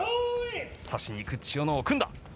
差しにいく、千代ノ皇、組んだ。